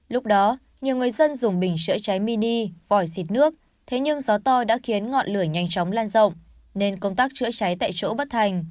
lúc đó nhiều người dân dùng bình chữa cháy mini vòi xịt nước thế nhưng gió to đã khiến ngọn lửa nhanh chóng lan rộng nên công tác chữa cháy tại chỗ bất thành